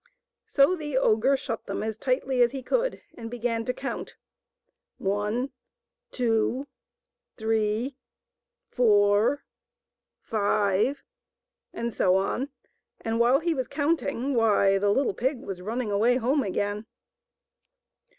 So the ogre shut them as tightly as he could and began to count, " One, two, three, four, five," and so on ; and while he was counting, why, the little pig was running away home again.